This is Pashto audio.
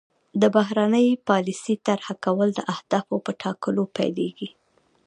د بهرنۍ پالیسۍ طرح کول د اهدافو په ټاکلو پیلیږي